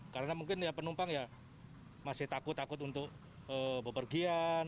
karena mungkin penumpang masih takut takut untuk bepergian